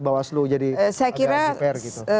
bawaslu jadi agak jeper gitu